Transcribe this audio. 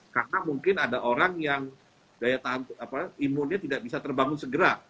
karena mungkin ada orang yang imunnya tidak bisa terbangun segera